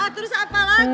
terus apa lagi